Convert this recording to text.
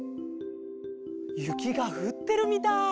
ゆきがふってるみたい。